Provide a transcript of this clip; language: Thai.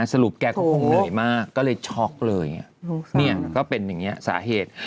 แกก็คงเหนื่อยมากก็เลยช็อกเลยเนี่ยก็เป็นอย่างนี้สาเหตุ